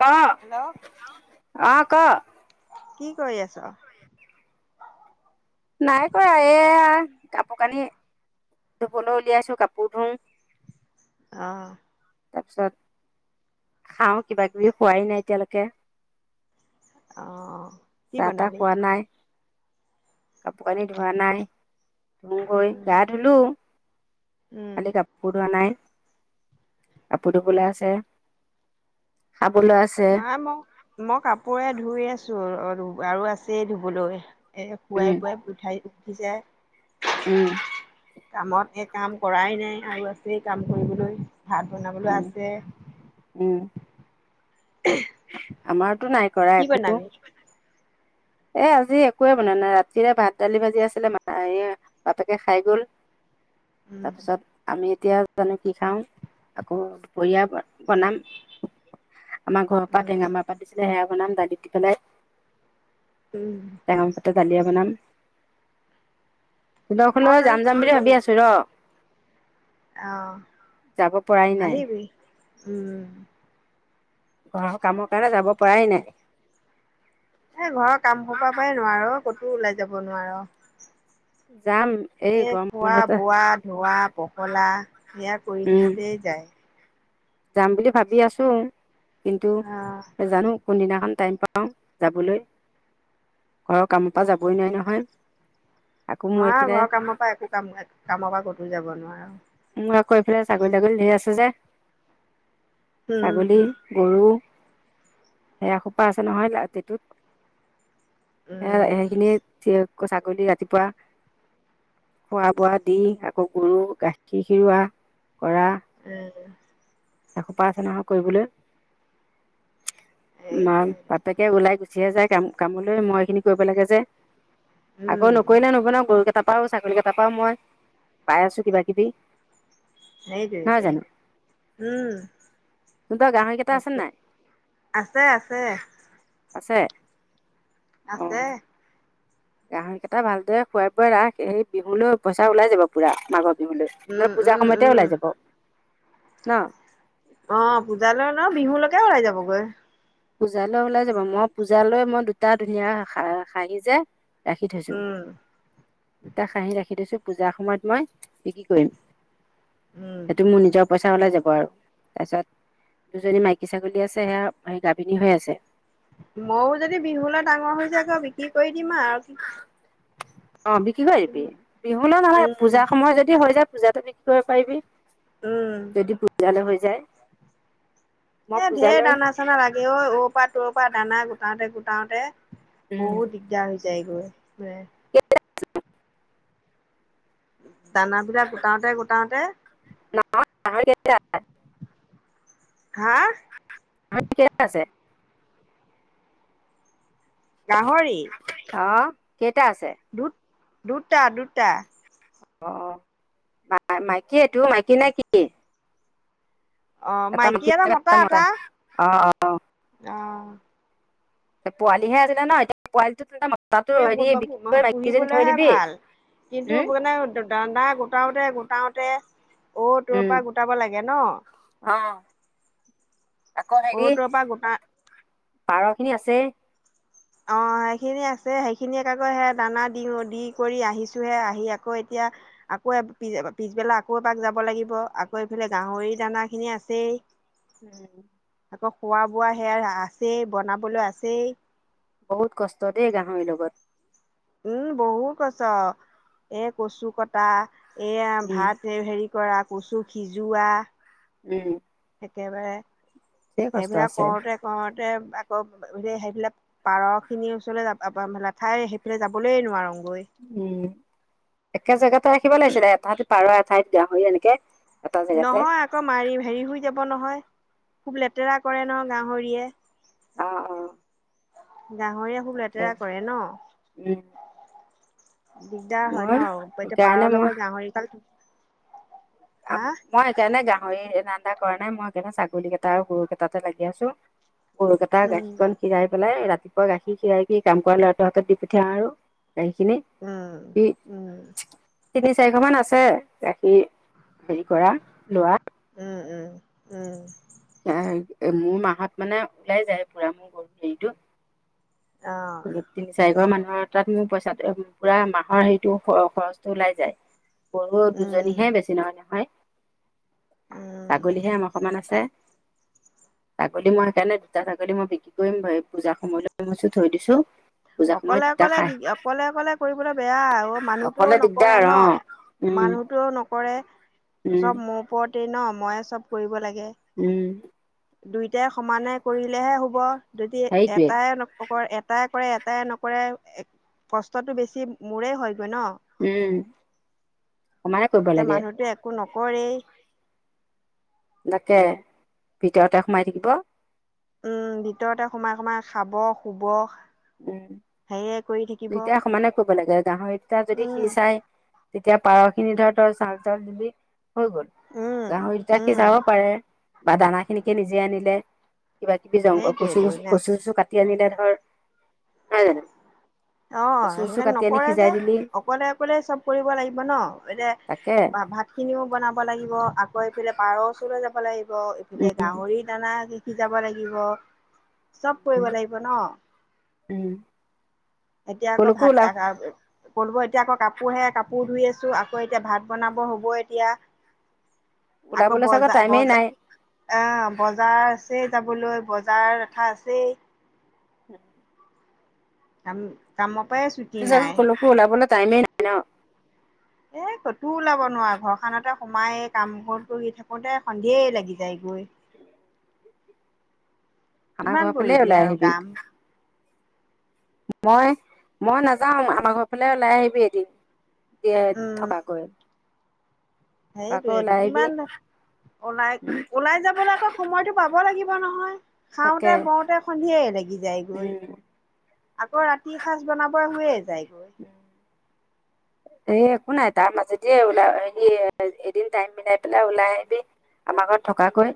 ক হেল্ল' 'অ' ক। কি কৰি আছ? নাই কৰা এয়া কাপোৰ কানি ধুবলৈ উলিয়াইছো, কাপোৰ ধুং। আহ'। তাৰপিছত খাওঁ কিবা-কিবি খোৱাই নাই এতিয়ালৈকে। অ'কি বনালি? কাপোৰ-কানী ধোৱা নাই। ধওঁগৈ, উম, গা ধুলো। উম, খালি কাপোৰ ধোৱা নাই। কাপোৰ ধূবলৈ আছে। খাবলৈ আছে। নাই মই মই কাপোৰে ধুই আছো আৰু আছেই ধুবলৈ। এ, উম খোৱাই-বোৱাই পথাই [unintelligible] উম। কামত, এই কাম কৰাই নাই আৰু আছে কাম কৰিবলৈ। ভাত বনাবলৈ উম আছে। উম [unintelligible] আমাৰ টো নাই কৰা কি একো। বনাবি? এ আজি একোৱে বনা নাই ।ৰাতিৰে ভাত-দালি ভাজি আছিলে ম এই বাপেকে খাই গল। উম, তাৰপিছত আমি এতিয়া জানো কি খাওঁ? আকৌ দুপৰীয়া বনাম। আমাৰ ঘৰ পৰা উম, টেঙামাৰ পৰা দিছিলে, সেয়া বনাম দালি দি পেলাই। উম, তেঙৰ পাতৰ দলিয়ে বনাম। মই [unintelligible] জানো যাম যাম বুলি ভাবি আছো ৰ। আহ, যাব পৰাই নাই আহিবি। উম। ঘৰৰ কামৰ কাৰণে যাব পৰাই নাই। এ ঘৰৰ কাম সোপা পৰাই নোৱাৰো ক'তো ওলাই যাব নোৱাৰ। যাম এই গৰম বন্ধতে খোৱা-বোৱা-ধোৱা পখলা সেয়া কৰি উম থাকোতেই যায়। যাম বুলি ভাবি আছো। কিন্তু অ জানো কোনদিনাখন টাইম পাওঁ যাবলৈ ঘৰৰ কামৰ পৰা যাবই নোৱাৰি নহয়। আকৌ মোৰ হয় এইফালে ঘৰৰ কামৰ পৰা একো কাম -কামৰ পৰা কতো যাব নো নোৱাৰ। মই আক এইফালে ছাগলী -তাগলী ধেৰ আছে যে। উম ছাগলী, গৰু সেয়া সোপা আছে নহয় লাতিটোত। এ' উম সেইখিনি থি আকৌ ছাগলী ৰাতিপুৱা খোৱা -বোৱা দি আকৌ গৰু - গাখীৰ গাখীৰ খিৰুৱা উম এসোপা আছে নহয় কৰিবলৈ। মা সেইটোৱে -বাপেকে ওলাই গৈছে। যিয়ে যায় কাম কামলৈ মই এইখিনি কৰিব লাগে যে । আকৌ উম নকৰিলে নবনাও গৰু তাৰপাও চাগলী কেইটাৰ পা মই পাই আছো কিবা -কিবি। সেইটোৱে নহয় টো জানো উম তহঁতৰ গাহৰিকেইটা আছে নাই আছে - আছে। আছে আছে। গাহৰি কেইটা ভালদৰে খুৱাই -বোৱাই ৰাখ সেই বিহুলৈ পইচা ওলাই যাব পুৰা মাঘত। উম পূজাৰ উম সময়তে উম ওলাই যাব। ন' অ' পূজালৈ অলপ বিহুলৈকে ওলাই যাবগৈ। পূজালৈ ওলাই যাব মই পূজালৈ মই দুটা ধুনীয়া খাঁহি যে ৰাখি থৈছো। উম দুটা খাহি ৰাখি থৈছো পূজাৰ সময়ত মই বিক্ৰী কৰিম। উম সেইটো মোৰ নিজা পইছা তাই ওলাই যাব আৰু তাৰ পিছত দুজনী মাইকী ছাগলী আছে সেয়া হেয়া গা গাভিনী হৈ আছে। মইও যদি বিহুলৈ ডাঙৰ হৈ যায়গৈ বিক্ৰী কৰি দিম আৰু অহ, বিক্ৰী কৰিবি বিহুলৈ নহলে উম পূজাৰ সময় যদি হৈ যায় পূজাতে বিক তই পাৰিবি। উম যদি পূজালৈ হয় য যায়। মই এ' ধেৰ পূজালৈ দানা -চানা লাগে ঐ অৰ পা তৰ খোৱা দানা গোটাওতে - গোটাওতে উম বহুত দিগদাৰ হৈছে । যাই গৈ। উ উম দানাবিলাক গোটাওতে গোটাওতে, চাৰ হা কেইটা আছে গাহৰি? অ কে - টা আছে? দুত- দুটা দুটা । অ মাই মাইকী এইটো, মাইকী নে কি? এটা মাইকি এটা মতা । অ অ। অঁ । অহ । পোৱালিহে আছিলে ন । পোৱালিটো মতাটো হেৰি বিক্ৰী কৰি মাইকীজনী থৈ পুহিবলৈহে দিবি ভাল । কিন্তু উম মানে দানা গোটাওতে গোটাওতে, তে অ তৰ উম পৰা গোটাব লাগে ন? অ আকৌ অ হেৰি তৰ পৰা গোটা পাৰ খিনি আছেই । অ সেইখিনি আছে । সেইখিনিক আকৌ সে দানা দি দি কৰি আহিছোহে, আহি আকৌ এতিয়া আকৌ পিছবেলা আকৌ এপাক যাব লাগিব আকৌ এইফালে গাহৰি দানা খিনি আছেই। উম । আকৌ খোৱা বোৱা সেয়া আছেই, বনাবলৈ আছেই । বহুত কষ্ট দেই গাহৰি লগত । উম বহুত কষ্ট । এ কচু কটা, এয়া উম ভাত এই হেৰি, কৰা, কচু সিজোৱা । উম । একেবাৰে, সেইবিলাক আছে কৰোতে কৰোতে, আকৌ সেইবিলাক পাৰ খিনিৰ ওচৰলৈ য ঠাই সেইফালে যাবলৈ নোৱাৰো । উম । একে জেগাতে ৰাখিব লাগিছিলে তাহাতি পাৰ এঠাইত, গাহৰি এনেকে, এটা জেগাতে নহয় আকৌ মাৰি হেৰি হৈ যাব নহয় । খুব লেতেৰা কৰে ন গাহৰিয়ে । অ অ। গাহৰিয়ে খুব তাকে লেতেৰা কৰে ন উম দিগদাৰ হয় মই ন এতিয়া সেইকাৰণে পাৰৰ মই লগত গাহৰিগাল মই সেইকাৰণে গাহৰি কৰা নাই মই সেইকাৰণে ছাগলী কেইটা আৰু গৰু কেইটাতে লাগি আছো। গৰুকেইটা উম গাখীৰকন খিয়াই পেলাই ৰাতি গাখীৰ খীয়াই সি কাম কৰা ল'ৰাটোৰ হাতত দি পঠিয়াও আৰু গাখীৰখিনি উম উম। তিনি চাৰিশ মান আছে গাখীৰ হেৰি কৰা লোৱা, উম উম উম মোৰ মাহত মানে ওলাই যায় পুৰা মোৰ গৰু হেৰিটো অ তিনি চাৰি ঘৰ মানুহৰ তাত মোৰ পইচাটো পুৰা মাহৰ হেৰিটো খৰচটো ওলাই যায় গৰু উম দুজনীহে বেছি নহয় নহয়। উম ছাগলীহে আমাৰ আনৰ সমান আছে। ছাগলী মই সেইকাৰণে দুটা ছাগলী মই বিক্ৰী কৰিম পূজাৰ সময় লৈ থৈ দিছো পূজা সময়ত অকলে দুটা অকলে খাই দি অকলে অকলে কৰিবলৈ বেয়া অ মানুহটোও অকলে নকৰে দিগদাৰ ন অ উম মানুহটোও নকৰে। উম চব মোৰ ওপৰত ন ময় চব কৰিব লাগে উম দুইটাই সমানে কৰিলেহে হব যদি সেইটোৱে এটাই নক এটাই প ইয়াত নকৰে নকৰে কষ্টতটো বেছি মোৰে হয় উম সমানে কৰিব এতিয়া লাগে মানুহতো একো নক নকৰেই তাকে ভিতৰতে সোমাই থাকিব উম ভিতৰতে সোমাই সোমাই খাব শুব হেৰিয়ে কৰি উম থাকিব এতিয়া সমানে কৰিব লাগে গাহৰিত তা যদি সি উম চাই তেতিয়া পাৰ খিনি ধৰ তই চাউল টাউল দিলি হৈ গল উম গাহৰিটা সি উম চাব পাৰে বা দানা খিনিকে নিজে আনিলে কিবা কিবি জং অ সেইটোয়েতো কচুু কচু অ চচু কাটি আনিলে হয় হয় জানো অ কচু চচু সেইবিলাক কাটি আনি নকৰে যে সিজাই দিলি অকলে অকলে চব কৰিব লাগিব ন এ তাকে ভাত খিনিও বনাব লাগিব আ গৈ পেলে পাৰ ওচৰলৈ যাব লাগিব ব এইফালে গাহৰি দানা কি সিজাব লাগিব। চব কৰিব লাগিব ন। উম এতিয়া আকৌ কলৈকো ভাত ওলা আ আ পলব এতিয়া আকৌ কাপোৰ হে কাপোৰ শুই আছোঁ আকৌ এতিয়া ভাত বনাব হ'ব এতিয়া আকৌ ওলাবলৈ চাগৈ বজাৰ টাইমেই নাই বজাৰ অ বজাৰছে যাবলৈ বজাৰ লেঠা আছেই [inaudible] কাম কামক জানো কলৈকো ওলাবলে টাইমে নাই ন এ কতো ওলাব নোৱা ঘৰখনতে সোমাই কাম কৰি থাকোতে সন্ধিয়া লাগি যায় গৈ আমাৰ কিমান ঘৰ ফালে কৰিবি ওলাই আৰু আহিবি। কাম মই মই নাযাওঁ আমাৰ ঘৰ ফালে ওলাই আহিবি এদিন দিয়ে উম থকাকৈ থকাকৈ সেইটোয়েইটো ওলাই আহিবি কিমান ওলাই ওলাই যাবলৈ আকৌ সময়তটো পাব লাগিব। নহয় তাকে খাওঁতে বওঁতে সন্ধিয়াই লাগি যায় গৈ উম আকৌ ৰাতি সাঁজ বনাব হৈয়ে যায়গৈ এ একো নাই তাৰ মাজেদিয়ে ওলাই হে এদিন টাইম মিলাই পেলাই ওলাই আহিবি আমাৰ ঘৰত থকাকৈ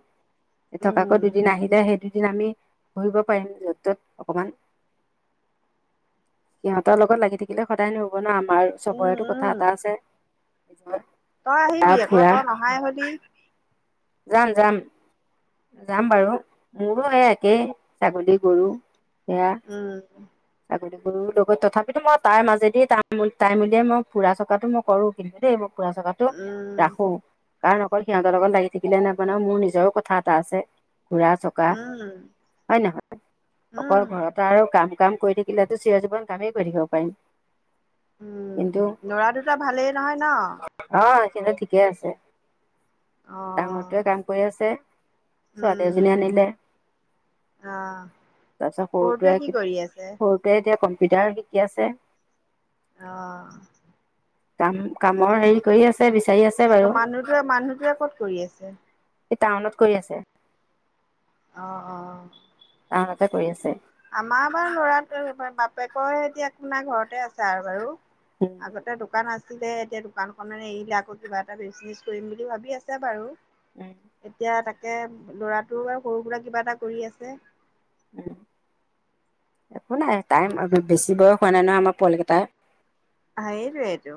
এ থকাকৈ উম, দুদিন আহিলে সেইদিন দিন আমি ঘূৰিব পাৰিম য'ত ত'ত অকমান সিহঁতৰ, লগত লাগি থাকিলে সদায় নহ'ব ন আমাৰ উম, বয়তো কথা উম, এটা আছে তই আহিবি তাৰ আকৌ ফুৰা তই নহাই হলি যাম যাম যাম বাৰু মোৰো সে একেই ছাগলী গৰু এয়াআ উম, গৰু লগত তথাপিতো মই তাৰ মাজেদি তাম উ টাইম উলিয়াই মই ফুৰা চকাটো মই কৰো কিন্তু দেই ফুৰা চকাটো উম, ৰাখোঁ। কাৰণ অকল সিহঁতৰ লগত লাগি থাকিলে নহ'ব ন নহয় মোৰ নিজৰো কথা আছে । ঘূৰা-চকা, উম, হয় নহয়? উম, অকল ঘৰত আৰু কাম কাম কৰি থাকিলেটো চিৰজীৱন কামেই কৰি থাকিব পাৰিম। উম! কিন্তু লৰা দুটা ভালেই নহয় ন? অ সিহঁতে ঠিকে আছে। অ', ডাঙৰটোৱে কাম কৰি আছে ছোৱালী উম, এজনী আনিলে। অ', তাৰপিছত কি সৰুটোৱে, কৰি আছে? সৰুটোৱে এতিয়া কম পিতাৰ শিকি আছে। আহ! কাম, কামৰ হেৰি কৰি আছে বিচাৰি আছে আকৌ বাৰু মানুহটোৱে, মানুহটোৱে ক'ত কৰি আছে? এই টাউনত কৰি আছে। অঁ-অঁ। তাতে কৰি আছে। আমাৰ বাৰু ল'ৰাটো এইবাৰ, বাপেকৰ হে এতিয়া একো নাই আপোনাৰ ঘৰতে আছে আৰু বাৰু। উম আগতে দোকান আছে আছিলে এতিয়া দোকানখনে এৰিলে, আকৌ কিবা এটা বিজনেচ কৰিম বুলি ভাবি আছে বাৰু। উম এতিয়া তাক এয়া ল'ৰাটো আৰু সৰু সুৰা কিবা এটা কৰি আছে। উম! একো নাই, টাইম বেছি বয়স হোৱা নাই নহয় আমাৰ পোৱালিকেইটাৰে সেইটোৱেইটো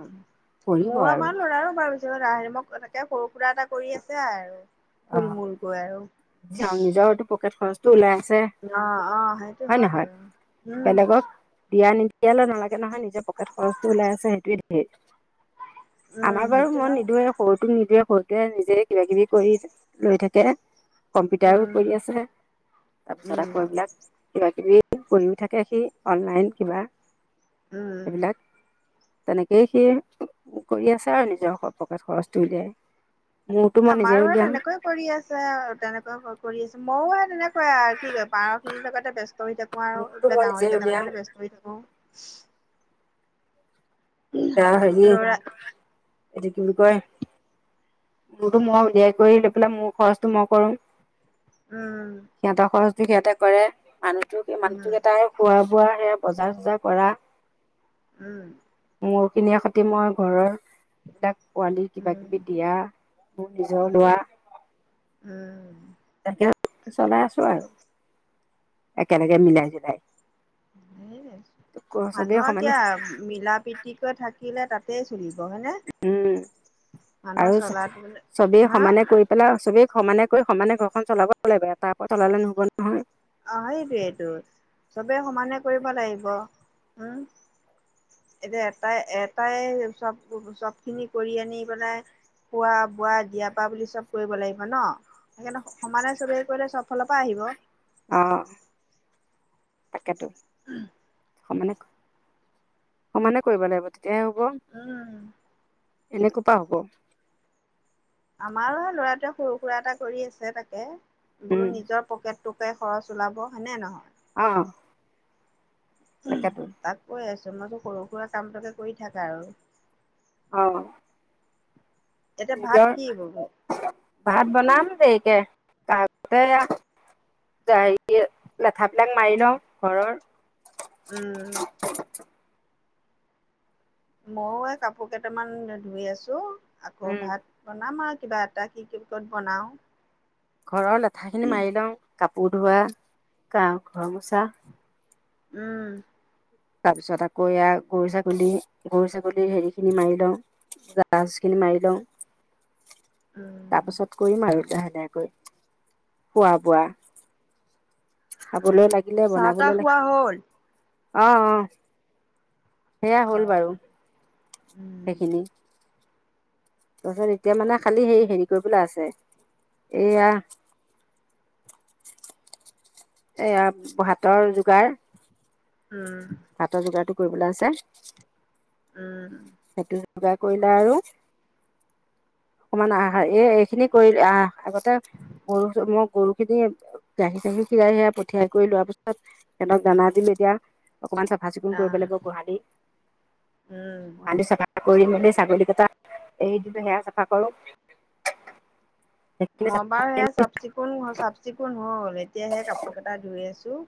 মোৰ আৰু আমাৰ ল'ৰাৰো । এনেকে কৰোঁ কিবা এটা কৰি আছে আৰু। অ', থুল-মূল কৈ আৰু। নিজৰটো খৰচটো ওলাই। আছে অঁ-অঁ! সেইটো হয় বাৰু । উম! এইয়ালৈ নালাগে নহয়, নিজৰ পকেট খৰচটো ওলাই আছে সেইটোৱেই ধেই আমাৰ উম বাৰু সেইটো মই হয় নিদোৱেই, সৰুটোক নিদোৱেই সৰুটোৱেই নিজে কিবা-কিবি কৰি লৈ থাকে। কম্পিউটাৰো উম কৰি আছে, তাৰপিছত উম আকৌ এইবিলাক কিবা কিবি কৰিও থাকে সি অনলাইন কিব উম। তেনেকেই সি কৰি আছে আৰু নিজৰ পকেট খৰচটো উলিয়াই। মোৰতো মই নিজে আমাৰো এই উলিয়াও তেনেকৈ কৰি আছে তেনেক। ন হ কৰি আছে ময়ো সে তেনেকে। কয় আও পাৰখিনি কি কয় বেষ্ট। ব্যস্ত হৈ থাকো আৰু মোৰতো যে মই নিজে গাহৰিকেইটা উলিয়াও লগতে ব্যস্ত হৈ থাকো তা হেৰি। ল'ৰা এটো কি বুলি কয় মোৰতো মই উলিয়াই কৰি লৈ পেলাই মোৰ খৰচটো মই কৰো। উম। সিহতে কৰে আন। মানুহ উম তোক এটাই খোৱা। বোৱা সেয়া বজাৰ চজাৰ কৰা। উম। মোৰ খিনিৰ সতে মই ঘৰৰ এইবিলাক। পোৱালি কিবা উম কিবি দিয়া। ম নিজৰলোৱা। উম। তাকে চলাই আছো আৰু একেলগে মিলাই জোলাই। মানুহৰ সমানে কিয় মিলা প্ৰীতিকৈ থাকিলে তাত। তে চলি। উম মানুহৰ আৰু চ চলাটো মানে চবেই হা সমানে কৰি পেলাই আৰু চবেই। সমানে কৰি সমানে ঘৰখন চলাব লাগিব চলালে নহব নহয়। অ সেইটোৱেইটো চবেই সমানে কৰিব লাগিব উম এতিয়া এটাই এটাই চব চব খিনি কৰি আনি পেলাই খোৱা বোৱা দিয়াৰ পা বুলি চব কৰিব লাগিব ন। সেইকাৰণে সমানে চবেই কৰিলে চব ফালৰ পৰা আহিব। তাকেটো। উম। সমানে সমানে কৰিব লাগিব। তেতিয়াহে হ'ব উম। এনে কু পা হ'ব। আমাৰ ল'ৰাটোৱে সৰু সুৰা এটা কৰি আছে তাকে। উম বোলো নিজৰ পকেট। টোকে খৰচ ওলাব হয়নে নহয়। অহ। তাক কৈ আছো। জন্মতটো সৰু সুৰা কামটাকে কৰি থাকা আৰু। অ। এতিয়া ভাত নিজৰ কি ব । ভাত বনাম দেৰিকে আগতে হেৰি লেঠাবিলাক মাৰি লওঁ ঘৰৰ উম [inaudible] ময়ও এই কাপোৰ কেইটামান ধুই আছো আকৌ উম ভাত বনাম আৰু কিবা এটা কি কি কত বনাওঁ? ঘৰৰ লে খিনি মাৰি লওঁ, কাপোৰ ধোৱা গা ঘৰ মোচা উম তাৰপিছত আকৌ এয়া গৰু ছাগলী গৰু ছাগলীৰ হেৰি খিনি মাৰি লওঁ জাজ খিনি মাৰি লওঁ তাৰ উম পাছত কৰিম আৰু লাহে লাহে কৈ খোৱা বোৱা খাবলৈ লাগে চাহ তাহ খোৱা হল? আহ আহ সেয়া হ'ল আহ বাৰু উম সেইখিনি তাৰপাছত এতিয়া মানে খালি হে হেৰি কৰিবলৈ আছে এইয়া এয়া ভাতৰ যোগাৰ, উম ভাতৰ যোগাৰটো কৰিবলৈ আছে উম সেইটো যোগাৰ কৰিলে আৰু অকমান আহাৰ এই এইখিনি কৰিল আহ আগতে গৰু মই গৰু খিনি গাখীৰ চাখীৰ খিৰাই সিৰাই পঠিয়াই কৰি লোৱাৰ পিছত সিহঁতক দানা দিলোঁ এতিয়া, অকমান চাফা চিকুণ কৰিব আহ লাগিব গোহালি উম গোহালি চাফা কৰি মেলি ছাগলী কেইটা এৰি দিলো সেয়া চাফা কৰোঁ । মই বাৰু সেয়া চাফ চিকুণ চাফ চিকুণ হল এতিয়া সে কাপোৰ কেইটা ধুই আছো,